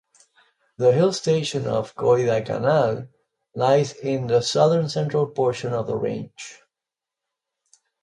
The hill station of Kodaikanal lies in the southern central portion of the range.